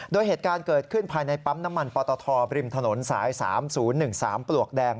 โดยเหตุการณ์เกิดขึ้นภายในปั๊มน้ำมันปตทบริมถนนสาย๓๐๑๓ปลวกแดง